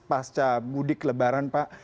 pasca mudik lebaran pak